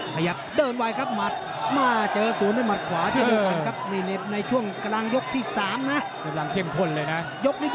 ขยับเดินไว้ครับหมัดมาเจอสูดด้วยหมัดขวาที่มีต่ำครับ